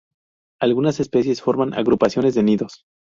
Algunas especies forman agrupaciones de nidos.